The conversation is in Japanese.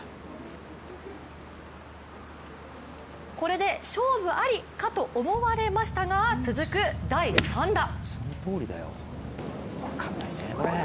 これで勝負ありかと思われましたが続く第３打。